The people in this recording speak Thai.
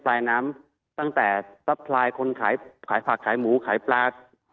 ลายน้ำตั้งแต่ซัพพลายคนขายขายผักขายหมูขายปลา